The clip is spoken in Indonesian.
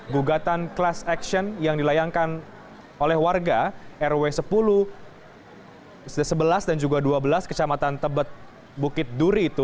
gugatan class action yang dilayangkan oleh warga rw sepuluh sebelas dan juga dua belas kecamatan tebet bukit duri itu